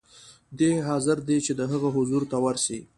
دی حاضر دی چې د هغه حضور ته ورسي.